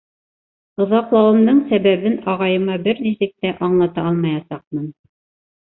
Оҙаҡ- лауымдың сәбәбен ағайыма бер нисек тә аңлата алмаясаҡмын.